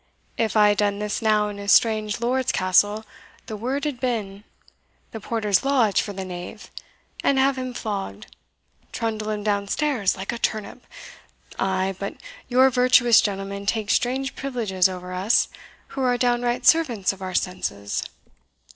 If I had done this now in a strange lord's castle, the word had been, The porter's lodge for the knave! and, have him flogged trundle him downstairs like a turnip! Ay, but your virtuous gentlemen take strange privileges over us, who are downright servants of our senses.